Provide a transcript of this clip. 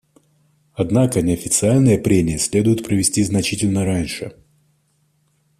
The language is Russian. Однако неофициальные прения следует провести значительно раньше.